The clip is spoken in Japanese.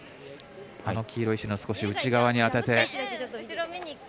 この黄色い石の少し内側に当てて。